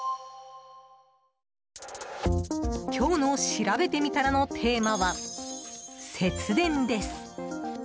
今日のしらべてみたらのテーマは、節電です。